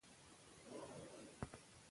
موږ باید خپلو ماشومانو ته وخت ورکړو.